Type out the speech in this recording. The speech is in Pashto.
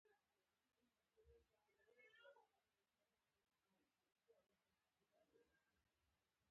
هلته پر یوه خالي لرګینه چوکۍ کښیناستو.